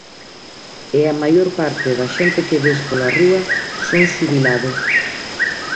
E a maior parte da xente que ves pola rúa son xubilados.